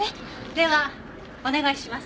ではお願いします。